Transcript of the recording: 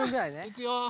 いくよ。